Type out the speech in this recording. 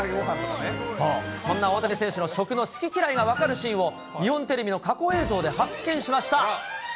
そんな大谷選手の食の好き嫌いが分かるシーンを、日本テレビの過去映像で発見しました。